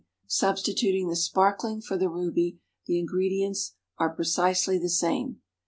_ Substituting the "sparkling" for the "ruby," the ingredients are precisely the same.